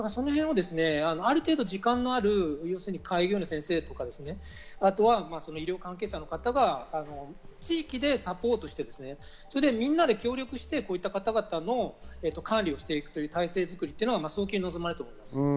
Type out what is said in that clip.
ある程度、時間のある開業医の先生とか、医療関係者の方が地域でサポートして、みんなで協力して、こういった方々の管理をしていくという体制づくりが早急に望まれます。